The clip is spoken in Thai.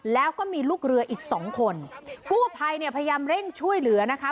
แล้วก็มีลูกเรืออีกสองคนกู้ภัยเนี่ยพยายามเร่งช่วยเหลือนะคะ